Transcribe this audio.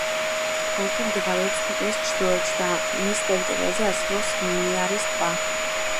ოლქი მდებარეობს ქვეყნის ჩრდილოეთში და მის ტერიტორიაზე არსებობს მანიარის ტბა.